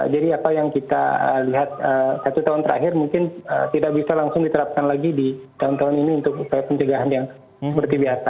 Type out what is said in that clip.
jadi apa yang kita lihat satu tahun terakhir mungkin tidak bisa langsung diterapkan lagi di tahun tahun ini untuk pencegahan yang seperti biasa